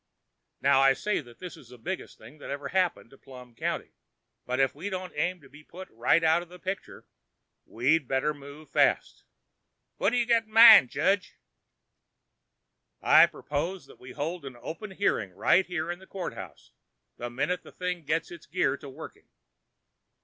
Now, I say this is the biggest thing that ever happened to Plum County but if we don't aim to be put right out of the picture, we'd better move fast." "What you got in mind, Jedge?" "I propose we hold an open hearing right here in the courthouse, the minute that thing gets its gear to working.